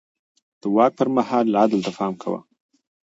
ده د واک پر مهال عدل ته پام کاوه.